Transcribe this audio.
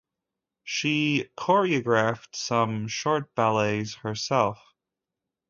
She choreographed some short ballets herself.